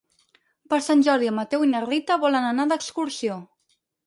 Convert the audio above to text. Per Sant Jordi en Mateu i na Rita volen anar d'excursió.